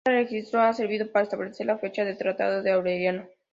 Este registro ha servido para establecer la fecha del tratado de Aureliano.